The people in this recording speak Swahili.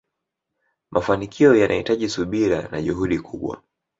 mafanikio yanahitaji subira na juhudi kubwa